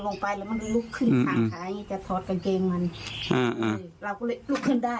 เราก็เลยลึกขึ้นได้